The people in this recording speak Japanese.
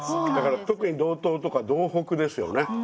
だから特に道東とか道北ですよね。